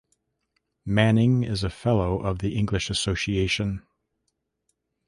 Manning is a Fellow of the English Association.